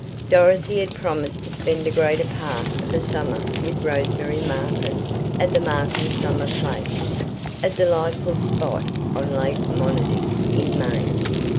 Dorothy had promised to spend a greater part of the summer with Rose Mary Markin at the Markin summer place, a delightful spot on Lake Monadic in Maine.